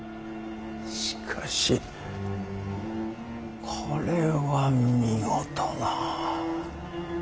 しかしこれは見事な。